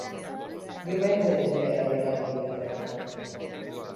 Diumenge en Quer anirà a la biblioteca.